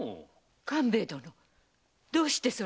官兵衛殿どうしてそれを？